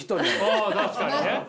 あ確かにね。